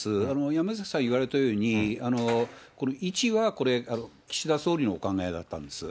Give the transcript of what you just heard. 山崎さん言われたように、１は岸田総理のお考えだったんです。